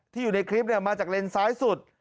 ที่อยู่ในคลิปเนี่ยมาจากเลนส์ซ้ายสุด